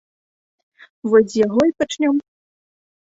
Вось з яго і пачнём.